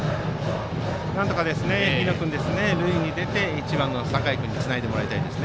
なんとか日野君、塁に出て１番の酒井君につないでもらいたいです。